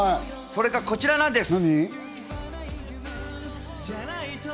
それがこちらなんです。